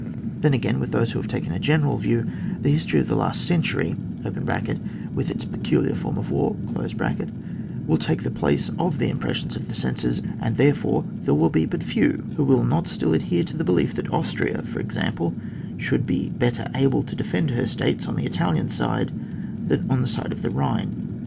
Then again, with those who take a general view, the history of the last century (with its peculiar form of war) will take the place of the impressions of the senses, and therefore there will be but few who will not still adhere to the belief that Austria, for example, should be better able to defend her states on the Italian side than on the side of the Rhine.